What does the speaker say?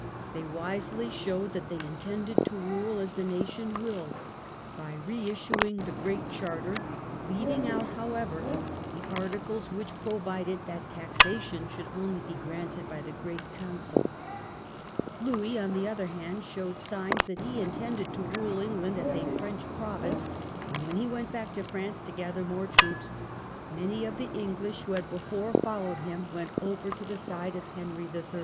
They wisely showed ^^ Henry in. that they intended to rule as the nation willed, by re issuing the Great Charter, leaving out, however, the articles 6o LINCOLN FAIR. which provided that taxation should only be granted by the great council. Louis on the other hand showed signs that he intended to rule England as a French province, and when he went back to France to gather more troops, many of the English who had before followed him went over to the side of Henry III.